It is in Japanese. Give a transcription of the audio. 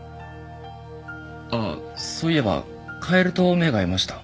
あっそういえばカエルと目が合いました。